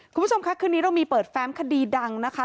คุณผู้ชมค่ะคืนนี้เรามีเปิดแฟ้มคดีดังนะคะ